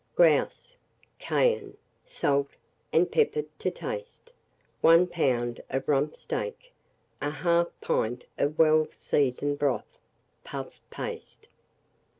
Grouse; cayenne, salt, and pepper to taste; 1 lb. of rump steak, 1/2 pint of well seasoned broth, puff paste.